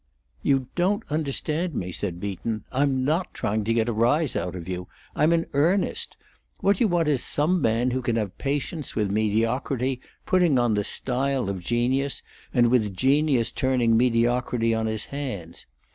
"You don't understand me," said Beaton. "I'm not trying to get a rise out of you. I'm in earnest. What you want is some man who can have patience with mediocrity putting on the style of genius, and with genius turning mediocrity on his hands.